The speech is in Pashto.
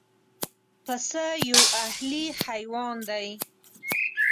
پسه یو اهلي حیوان دی.